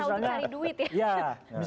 ini salah satu cara untuk cari duit ya